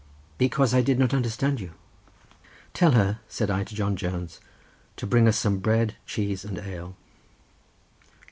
"Because I did not understand you." "Tell her," said I to John Jones, "to bring us some bread, cheese and ale."